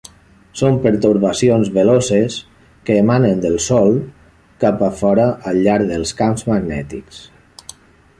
Són pertorbacions veloces que emanen del Sol cap a fora al llarg dels camps magnètics.